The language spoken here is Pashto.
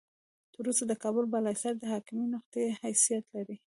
تر اوسه د کابل بالا حصار د حاکمې نقطې حیثیت لري.